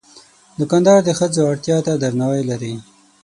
دوکاندار د ښځو اړتیا ته درناوی لري.